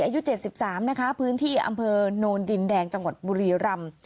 อายุเจ็ดสิบสามนะคะพื้นที่อำเภอนรรดินแดงจังหวัดบุรีรำ